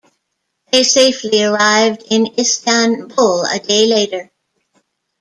They safely arrived in Istanbul a day later.